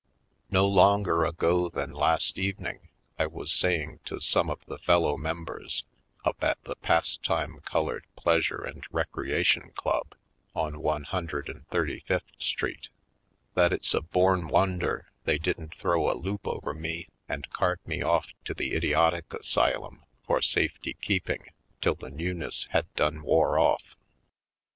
No longer ago than last evening I was saying to some of the fellow members up at the Pastime Colored Plea sure and Recreation Club, on One Hundred and Thirty fifth street, that it's a born won der they didn't throw a loop over me and cart me ofif to the idiotic asylum for safety keeping till the newness had done wore off.